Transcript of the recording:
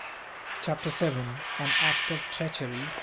Chapter 7: An Act Of Treachery.